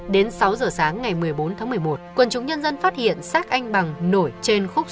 đến sáu giờ sáng ngày một mươi bốn tháng một mươi một quần chúng nhân dân phát hiện xác anh bằng nổi trên khúc